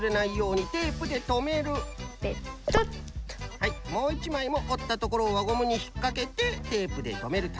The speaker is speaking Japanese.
はいもう１まいもおったところをわゴムにひっかけてテープでとめると。